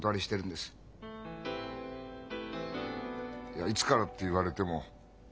いや「いつから」って言われても。